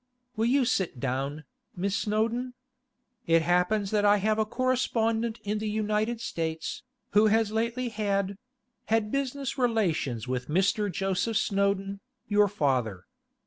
'Will you sit down, Miss Snowdon? It happens that I have a correspondent in the United States, who has lately had—had business relations with Mr. Joseph Snowdon, your father.